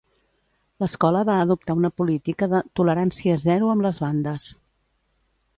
L'escola va adoptar una política de "tolerància zero amb les bandes".